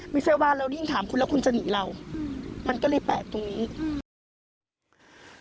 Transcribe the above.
ไม่ใช่ว่าเรายิ่งถามคุณแล้วคุณจะหนีเราอืมมันก็เลยแปลกตรงนี้อืม